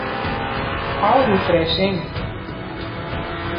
How refreshing!